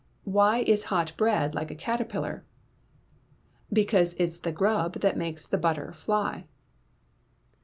] Why is hot bread like a caterpillar? _Because it's the grub that makes the butter fly.